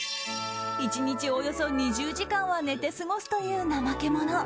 １日およそ２０時間は寝て過ごすというナマケモノ。